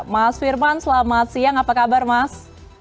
mas firman selamat siang apa kabar mas